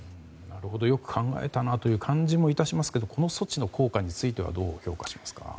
よく考えたなという感じも致しますがこの措置の効果についてはどう見ていますか。